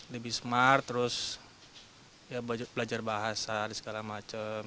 lebih smart terus belajar bahasa dan segala macam